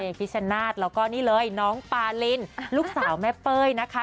พิชชนาธิ์แล้วก็นี่เลยน้องปาลินลูกสาวแม่เป้ยนะคะ